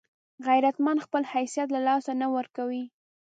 غیرتمند خپل حیثیت له لاسه نه ورکوي